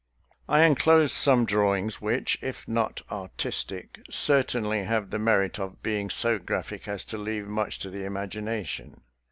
I enclose some drawings, which, if not artistic, certainly have the merit of being so graphic as to leave much to the imagination.